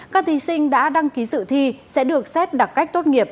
các thí sinh đã đăng ký dự thi sẽ được xét đặc cách tốt nghiệp